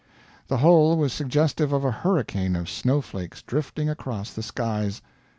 The whole was suggestive of a hurricane of snow flakes drifting across the skies.